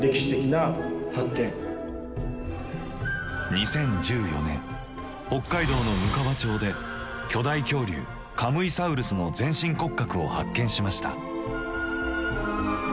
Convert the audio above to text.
２０１４年北海道のむかわ町で巨大恐竜カムイサウルスの全身骨格を発見しました。